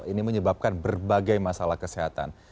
ini menyebabkan berbagai masalah kesehatan